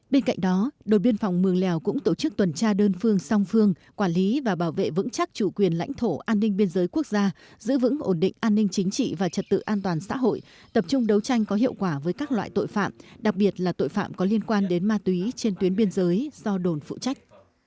bên cạnh đó đồn biên phòng mường lèo cũng tổ chức tuần tra đơn phương song phương quản lý và bảo vệ vững chắc chủ quyền lãnh thổ an ninh biên giới quốc gia giữ vững ổn định an ninh chính trị và trật tự an toàn xã hội tập trung đấu tranh có hiệu quả với các loại tội phạm đặc biệt là tội phạm có liên quan đến ma túy trên tuyến biên giới do đồn phụ trách